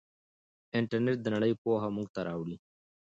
انټرنیټ د نړۍ پوهه موږ ته راوړي.